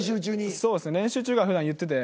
そうですね練習中からふだん言ってて。